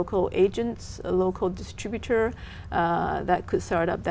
công ty cộng đồng tổng thống trợ giúp đỡ